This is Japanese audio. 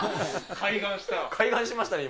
開眼しましたね、今。